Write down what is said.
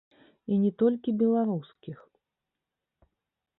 І не толькі беларускіх.